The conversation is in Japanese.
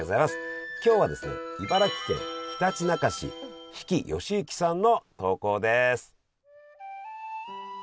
今日はですね茨城県ひたちなか市比氣好行さんの投稿です。